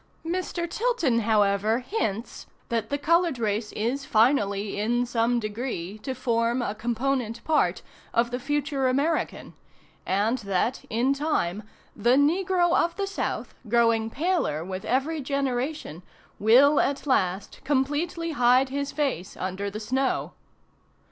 Mr. Tilton, however, hints that the colored race is finally in some degree to form a component part of the future American; and that, in time, "the negro of the South, growing paler with every generation, will at last completely hide his face under the snow."